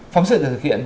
phóng sự được thực hiện